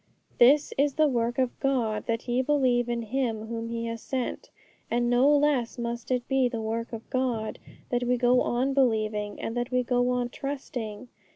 This is the work of God, that ye believe in Him whom He has sent. And no less must it be the work of God that we go on believing, and that we go on trusting.